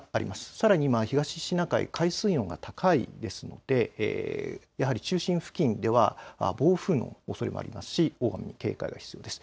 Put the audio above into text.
さらに東シナ海、海水温が高いですのでやはり中心付近では暴風のおそれもありますし警戒が必要です。